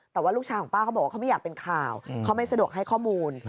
แต่ว่าลูกชายของป้าเขาบอกว่าเขาไม่อยากเป็นข่าวเขาไม่สะดวกให้ข้อมูล